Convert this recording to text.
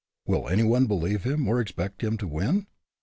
Will anyone believe in him or expect him to win?